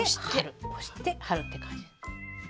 押して貼るって感じ。